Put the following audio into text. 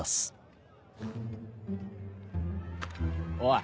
おい。